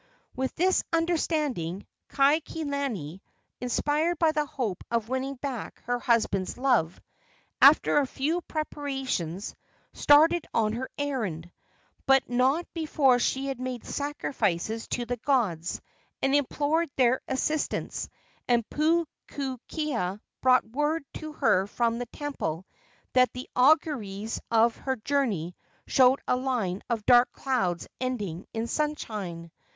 With this understanding Kaikilani, inspired by the hope of winning back her husband's love, after a few preparations started on her errand; but not before she had made sacrifices to the gods and implored their assistance, and Pupuakea brought word to her from the temple that the auguries of her journey showed a line of dark clouds ending in sunshine.